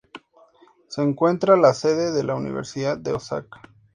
Se encuentra la sede de la Universidad de Osaka.